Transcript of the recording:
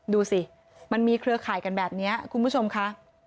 ดูสิมันมีเครือข่ายกันแบบนี้คุณผู้ชมค่ะ